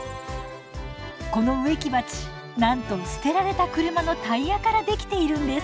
この植木鉢なんと捨てられた車のタイヤから出来ているんです。